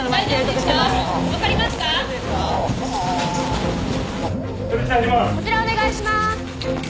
・こちらお願いします。